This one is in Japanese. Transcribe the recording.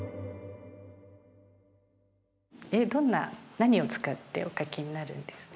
どんな何を使ってお描きになるんですか？